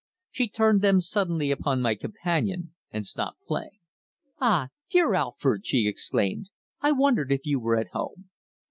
She turned them suddenly upon my companion, and stopped playing. "Ah! dear Alford!" she exclaimed, "I wondered if you were at home."